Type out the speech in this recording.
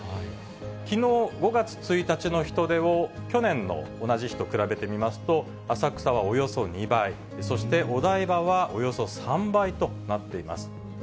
きのう５月１日の人出を去年の同じ日と比べてみますと、浅草はおよそ２倍、そしてお台場はおよそ３倍となっています。